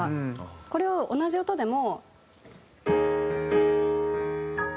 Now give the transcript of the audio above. これを同じ音でも。